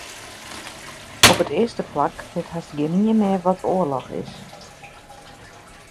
Op it earste plak wit hast gjinien mear wat oarloch is.